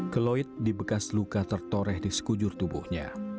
keloid di bekas luka tertoreh di sekujur tubuhnya